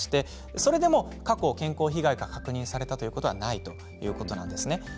それでも過去、健康被害が確認されたということはないということなんですね。